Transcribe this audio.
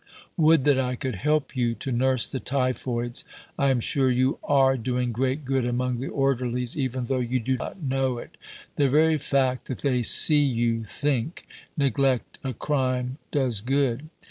Would that I could help you to nurse the Typhoids! I am sure you are doing great good among the Orderlies, even tho' you do not know it. The very fact that they see you think neglect a crime does good.